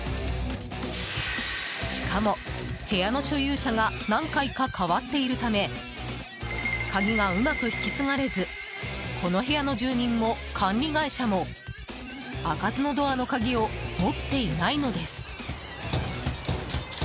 しかも、部屋の所有者が何回か変わっているため鍵がうまく引き継がれずこの部屋の住民も、管理会社も開かずのドアの鍵を持っていないのです。